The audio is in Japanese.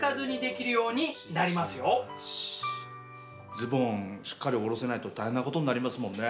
ズボンしっかり下ろせないと大変なことになりますもんね。